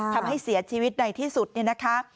ทำให้เสียชีวิตในที่สุดเนี่ยนะคะ